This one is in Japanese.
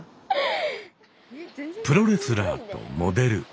プロレスラーとモデル。